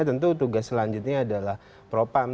tentu tugas selanjutnya adalah propam